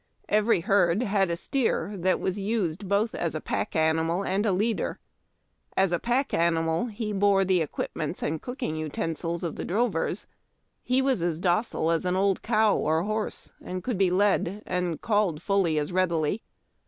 Every herd liad a steer that was used both as a pack animal and a leader. As a pack animal he bore the equipments and cooking uten 322 HARD TACK AND COFFEE. sils of the drovers. He was as docile as an old cow or horse, and could be led or called fully as readily.